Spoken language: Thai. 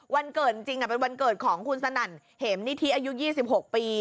วันเกิดจริงเป็นวันเกิดของคุณสนั่นเหมนิธิอายุ๒๖ปี